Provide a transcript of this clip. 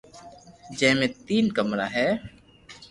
جي مي تين ڪمرا ھي